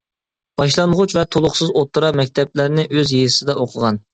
باشلانغۇچ ۋە تولۇقسىز ئوتتۇرا مەكتەپلەرنى ئۆز يېزىسىدا ئوقۇغان.